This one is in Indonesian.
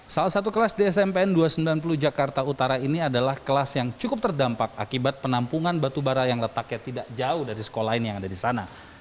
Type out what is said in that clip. salah satu kelas di smpn dua ratus sembilan puluh jakarta utara ini adalah kelas yang cukup terdampak akibat penampungan batubara yang letaknya tidak jauh dari sekolah ini yang ada di sana